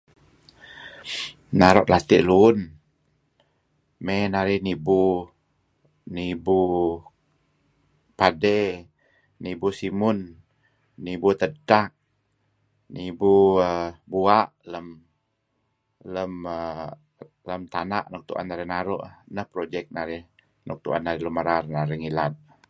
Naru' lati' luun. Mey narih nibu nibu padey nibu simun nibu tedtak nibu err bua' lem lem err lem tana' nuk tu'en narih naru' . Neh projek narih nuk tu'en lun merar narih ngilad.